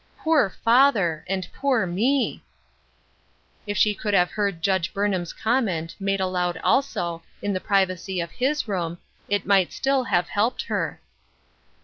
Poor father ! and poor me I " If she could have heard Judge Biirnham*s comment, made aloud also, in the privacy of his room, it might still have helped her.